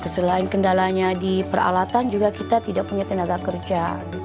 selain kendalanya di peralatan juga kita tidak punya tenaga kerja